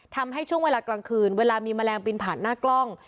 ทำให้ช่วงเวลากลางคืนเวลามีแมลงบินผ่านหน้ากล้อง